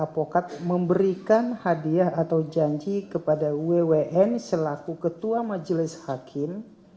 advokat memberikan hadiah atau janji kepada wwn selaku ketua majelis hakim